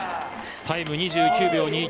タイム２９秒２９